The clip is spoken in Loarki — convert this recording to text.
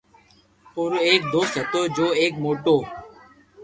اورو ايڪ دوست ھتو جو ايڪ موٽو